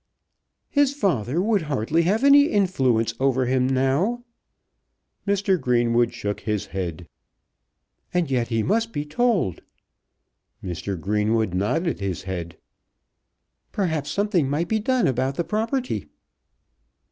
"His father would hardly have any influence over him now." Mr. Greenwood shook his head. "And yet he must be told." Mr. Greenwood nodded his head. "Perhaps something might be done about the property."